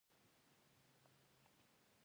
ملا صاحب عجیب او غریب سړی وو.